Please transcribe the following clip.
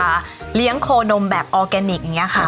เลี้ยงโคนมแบบออร์แกนิคอย่างนี้ค่ะ